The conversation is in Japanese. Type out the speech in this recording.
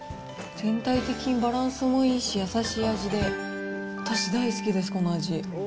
全体的にバランスもいいし、優しい味で、私、大好きです、この味。